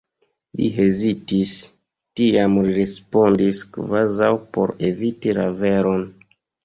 Li hezitis; tiam li respondis kvazaŭ por eviti la veron: